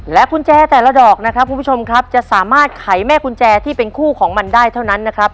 กุญแจแต่ละดอกนะครับคุณผู้ชมครับจะสามารถไขแม่กุญแจที่เป็นคู่ของมันได้เท่านั้นนะครับ